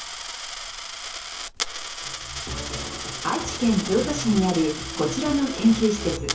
愛知県豊田市にあるこちらの研究施設。